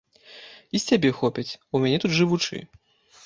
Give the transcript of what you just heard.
І з цябе хопіць, у мяне тут жывучы.